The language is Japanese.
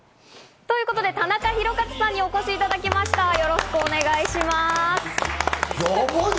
ということで、田中宏和さんにお越しいただきました、よろしくお願いします。